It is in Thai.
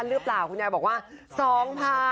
๓๐๐๐หรือเปล่าคุณยายบอกว่า๒๐๐๐นี่